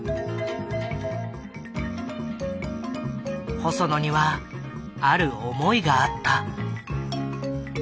細野にはある思いがあった。